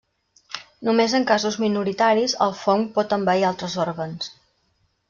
Només en casos minoritaris el fong pot envair altres òrgans.